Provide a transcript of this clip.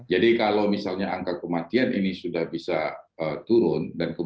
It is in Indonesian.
jadi kalau misalnya angka kematian ini sudah bisa dikendalikan